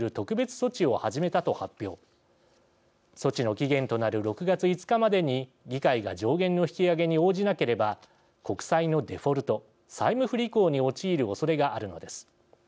措置の期限となる６月５日までに議会が上限の引き上げに応じなければ国債のデフォルト＝債務不履行に陥るおそれがあるのです。